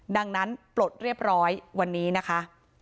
ดังนั้นปลดเรียบร้อยวันนี้นะคะ